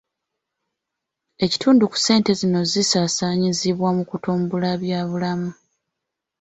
Ekitundu ku ssente zino zisaasaanyizibwa mu kutumbula byabulamu.